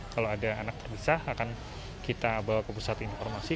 kalau ada anak terpisah akan kita bawa ke pusat informasi